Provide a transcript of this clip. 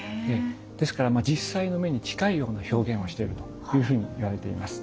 ですから実際の目に近いような表現をしているというふうにいわれています。